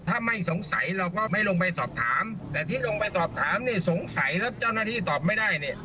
ถ้าไม่สงสัยเราก็ไม่ลงไปสอบถามแต่ที่ลงไปสอบถามเนี่ยสงสัยแล้วเจ้าหน้าที่ตอบไม่ได้เนี่ย